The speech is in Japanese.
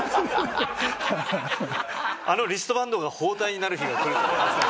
あのリストバンドが包帯になる日がくるとは。